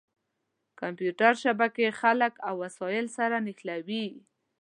کمپیوټر شبکې خلک او وسایل سره نښلوي.